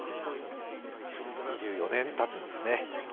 ２４年たつんですね。